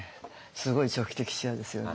すごい長期的視野ですよね。